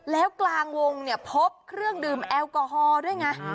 แล้วกลางวงเนี่ยพบเครื่องดื่มแอลกอฮอล์ด้วยไง